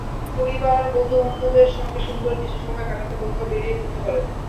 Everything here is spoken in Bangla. পরিবার বন্ধুবান্ধবের সঙ্গে সুন্দর কিছু সময় কাটাতে কোথাও বেড়িয়ে পড়তে পারেন।